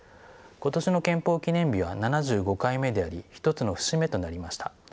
今年の憲法記念日は７５回目であり一つの節目となりました。